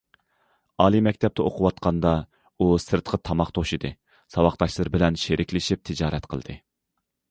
ئالىي مەكتەپتە ئوقۇۋاتقاندا، ئۇ سىرتقا تاماق توشۇدى، ساۋاقداشلىرى بىلەن شېرىكلىشىپ تىجارەت قىلدى.